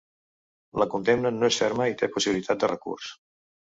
La condemna no és ferma i té possibilitat de recurs.